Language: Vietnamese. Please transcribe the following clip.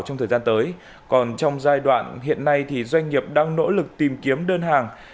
trong thời gian tới còn trong giai đoạn hiện nay thì doanh nghiệp đang nỗ lực tìm kiếm đơn hàng